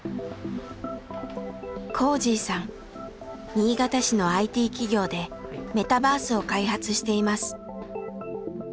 新潟市のＩＴ企業でメタバースを開発しています。